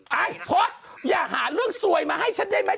เก้าพลสอย่าหาเรื่องสวยมาให้ชั้นได้ไหม